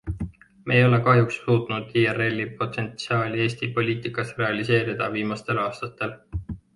Me ei ole kahjuks suutnud IRLi potentsiaali Eesti poliitikas realiseerida viimastel aastatel.